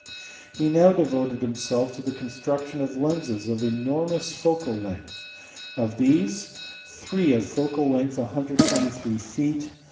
He now devoted himself to the construction of lenses of enormous focal length : of these three of focal lengths 123ft.